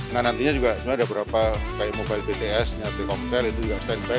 nah nantinya juga sebenarnya ada beberapa kayak mobile bts nyatir komsel itu juga stand by